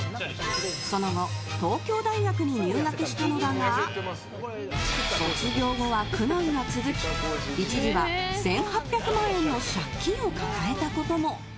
その後東京大学に入学したのだが卒業後は苦難が続き一時は１８００万円の借金を抱えたことも。